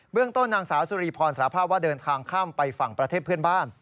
ต้นนางสาวสุรีพรสารภาพว่าเดินทางข้ามไปฝั่งประเทศเพื่อนบ้าน